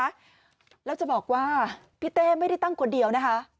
แล้วจะบอกว่าพี่เต้ไม่ได้ตั้งคนเดียวนะคะ